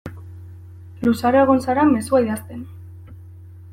Luzaro egon zara mezua idazten.